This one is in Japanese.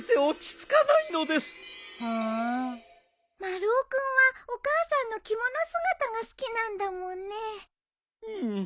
丸尾君はお母さんの着物姿が好きなんだもんね。